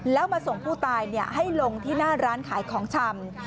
แล้วมาส่งผู้ตายให้ลงที่หน้าร้านขายของชำ